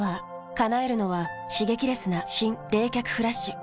叶えるのは刺激レスな新・冷却フラッシュ。